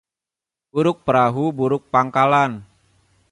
Buruk perahu, buruk pangkalan